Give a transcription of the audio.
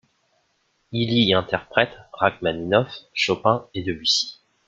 Il y interprète Rachmaninov, Chopin et Debussy.